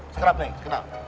sekerap nih sekenap